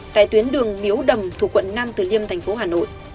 tại tuyến đường miếu đầm thuộc quận năm từ liêm tp hcm